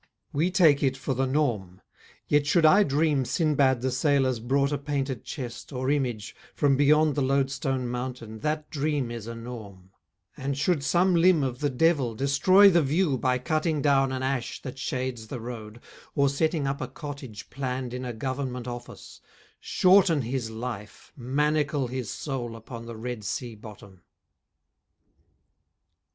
We take it for the norm; yet should I dream Sinbad the sailor's brought a painted chest, Or image, from beyond the Loadstone Mountain That dream is a norm; and should some limb of the devil Destroy the view by cutting down an ash That shades the road, or setting up a cottage Planned in a government office, shorten his life, Manacle his soul upon the Red Sea bottom.